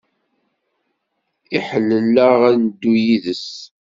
Iḥellel-aɣ ad neddu yid-s.